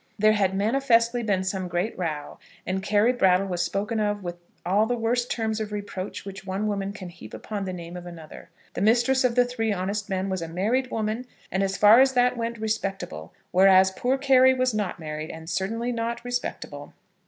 There had manifestly been some great row, and Carry Brattle was spoken of with all the worst terms of reproach which one woman can heap upon the name of another. The mistress of the Three Honest Men was a married woman, and, as far as that went, respectable; whereas poor Carry was not married, and certainly not respectable.